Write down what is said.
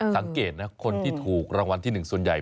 สังเกตนะคนที่ถูกรางวัลที่๑ส่วนใหญ่